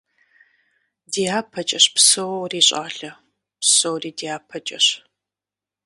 ДяпэкӀэщ псори, щӀалэ. Псори дяпэкӀэщ.